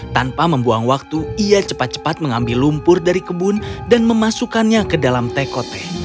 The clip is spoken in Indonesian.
tanpa membuang waktu ia cepat cepat mengambil lumpur dari kebun dan memasukkannya ke dalam teko teh